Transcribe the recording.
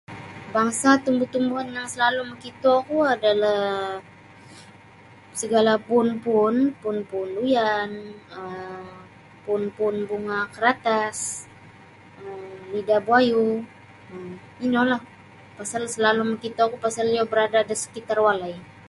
Bangsa tumbu-tumbuhan yang salalu' makitoku adalah segala puun-puun puun -punuyan um puun-puun bunga karatas lidah buayu um inolah pasal salalu makitoku pasal iyo berada' da sekitar walai.